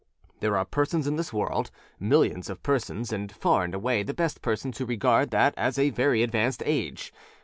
There are persons in this world, millions of persons, and far and away the best persons, who regard that as a very advanced age.